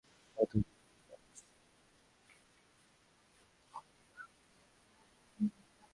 ও তো দেখতেও পারে না!